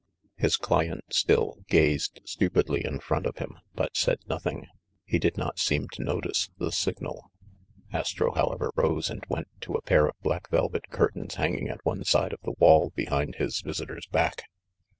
His client still gazed stupidly in front of him, but said nothing. He did not seem to notice the signal. Astro, however, rose and went to a pair of black vel vet curtains hanging at one side of the wall behind his visitor's back.